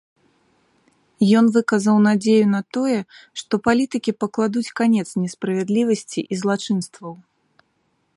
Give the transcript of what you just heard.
Ён выказаў надзею на тое, што палітыкі пакладуць канец несправядлівасці і злачынстваў.